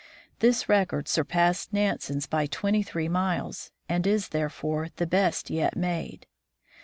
This record surpassed Nansen's by twenty three miles, and is, therefore, the best yet made.